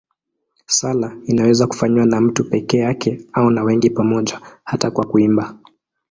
Sala inaweza kufanywa na mtu peke yake au na wengi pamoja, hata kwa kuimba.